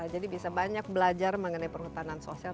jadi bisa banyak belajar mengenai perhutanan sosial